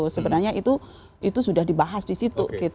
sebenarnya itu sudah dibahas disitu